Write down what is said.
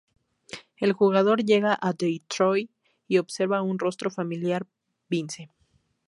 El jugador llega a Detroit y observa un rostro familiar, Vince.